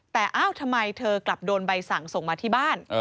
แต่อ้าวทำไมเธอกลับโดนใบสั่งส่งมาที่บ้าน